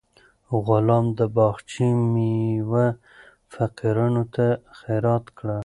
غلام د باغچې میوه فقیرانو ته خیرات کړه.